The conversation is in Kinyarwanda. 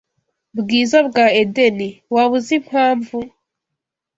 bwiza bwa Edeni. Waba uzi impamvu?